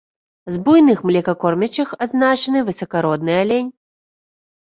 З буйных млекакормячых адзначаны высакародны алень.